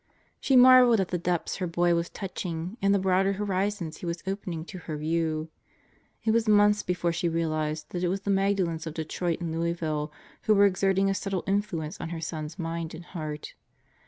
She marveled at the depths her boy was touching and the broader horizons he was opening to her view. It was months before she realized that it was the Magdalens of Detroit and Louisville who were exerting a subtle influence on her son's mind and heart.